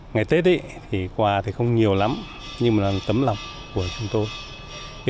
ngày tết quà không nhiều lắm nhưng là tấm lòng của chúng tôi